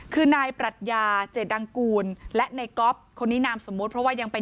คือนายปรัชญาเจดังกูลและในก๊อฟคนนี้นามสมมุติเพราะว่ายังเป็น